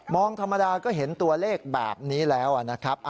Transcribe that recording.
ธรรมดาก็เห็นตัวเลขแบบนี้แล้วนะครับ